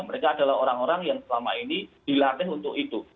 mereka adalah orang orang yang selama ini dilatih untuk itu